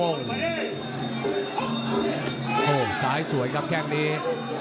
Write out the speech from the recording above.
โอ้โฮสายสวยครับแห้งเนี้ย